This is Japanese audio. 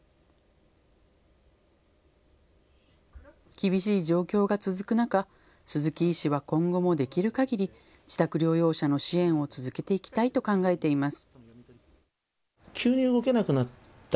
厳しい状況が続く中、鈴木医師は今後もできるかぎり自宅療養者の支援を続けていきたいと考えています。